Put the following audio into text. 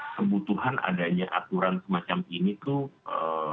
sebutuhan adanya aturan semacam ini tuh